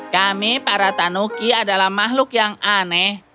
kami para tanuki adalah makhluk yang aneh